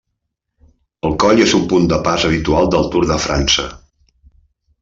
El coll és un punt de pas habitual del Tour de França.